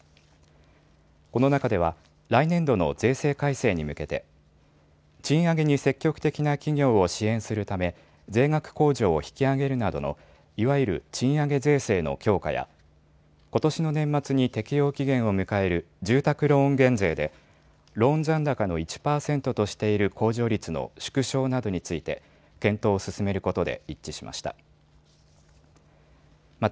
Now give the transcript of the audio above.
この中では来年度の税制改正に向けて賃上げに積極的な企業を支援するため税額控除を引き上げるなどのいわゆる賃上げ税制の強化やことしの年末に適用期限を迎える住宅ローン減税でローン残高の１％としている控除率の縮小などについて検討を進めることで一致しました。